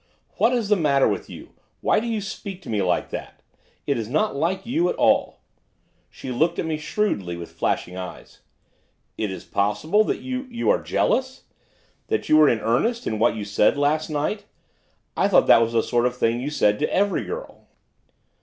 'What is the matter with you? why do you speak to me like that? it is not like you at all.' She looked at me shrewdly, with flashing eyes. 'Is it possible that you are jealous? that you were in earnest in what you said last night? I thought that was the sort of thing you said to every girl.